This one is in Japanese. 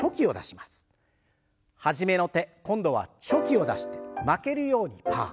初めの手今度はチョキを出して負けるようにパー。